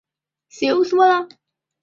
亦被报导为吸毒嫌疑犯。